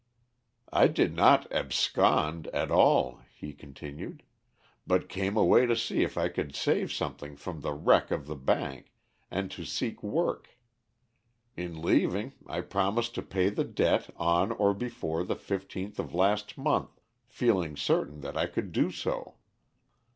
"I did not 'abscond' at all," he continued, "but came away to see if I could save something from the wreck of the bank, and to seek work. In leaving, I promised to pay the debt on or before the fifteenth of last month, feeling certain that I could do so.